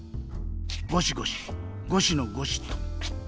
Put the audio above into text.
ゴシゴシゴシのゴシっと。